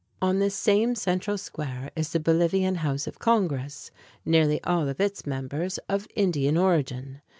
On this same central square is the Bolivian House of Congress, nearly all of its members of Indian origin.